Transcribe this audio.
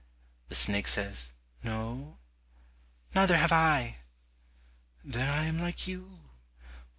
The snake says, "No." "Neither have I." "Then I am like you.